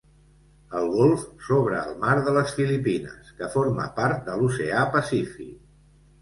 El golf s'obre al mar de les Filipines, que forma part de l'oceà Pacífic.